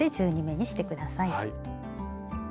はい。